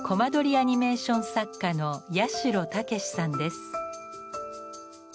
アニメーション作家の八代健志さんです。